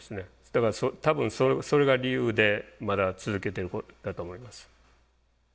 だから多分それが理由でまだ続けてることだと思います。